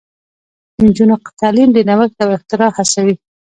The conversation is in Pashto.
د نجونو تعلیم د نوښت او اختراع هڅوي.